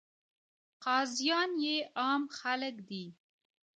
قاضیان یې عام خلک دي.